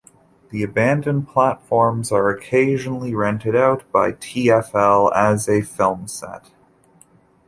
The abandoned platforms are occasionally rented out by TfL as a film set.